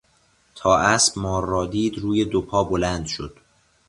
تا اسب مار را دید روی دو پا بلند شد.